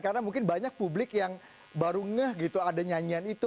karena mungkin banyak publik yang baru ngeh gitu ada nyanyian itu